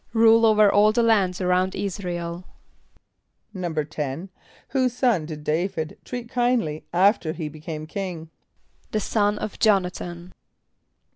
=Rule over all the lands around [)I][s+]´ra el.= =10.= Whose son did D[=a]´vid treat kindly after he became king? =The son of J[)o]n´a than.